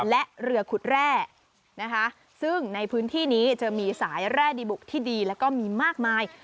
และเรือขุดแร่นะคะซึ่งในพื้นที่นี้จะมีสายแร่ดีบุกที่ดีแล้วก็มีมากมาย